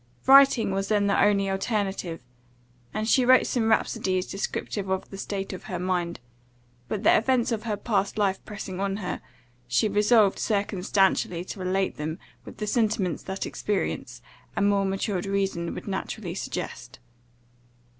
Writing was then the only alternative, and she wrote some rhapsodies descriptive of the state of her mind; but the events of her past life pressing on her, she resolved circumstantially to relate them, with the sentiments that experience, and more matured reason, would naturally suggest.